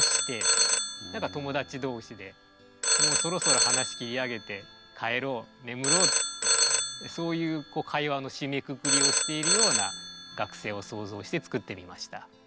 友達同士でもうそろそろ話切り上げて帰ろう眠ろうってそういう会話の締めくくりをしているような学生を想像して作ってみました。